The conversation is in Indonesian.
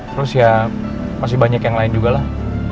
terus ya masih banyak yang lain juga lah